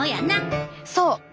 そう。